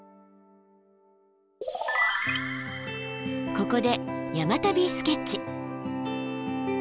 ここで「山旅スケッチ」。